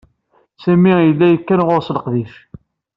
Sami yella yakan ɣeṛ-s leqdic.